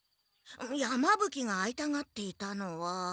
山ぶ鬼が会いたがっていたのは。